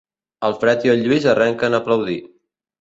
El Fred i el Lluís arrenquen a aplaudir.